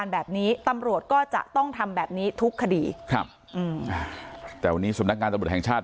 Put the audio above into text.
แบบนี้ตำรวจก็จะต้องทำแบบนี้ทุกคดีครับแต่วันนี้สำนักงานตำรวจแห่งชาติ